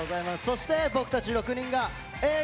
そして僕たち６人がＡぇ！